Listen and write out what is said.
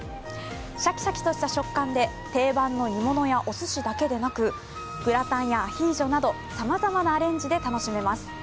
シャキシャキとした食感で、定番の煮物やおすしだけでなくグラタンやアヒージョなどさまざまなアレンジで楽しめます。